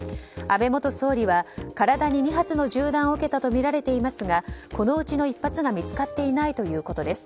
安倍元総理は体に２発の銃弾を受けたとみられていますがこのうちの１発が見つかっていないということです。